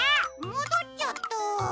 もどっちゃった！